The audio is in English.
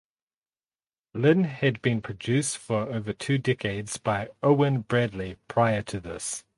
Lynn had been produced for over two decade by Owen Bradley prior to this.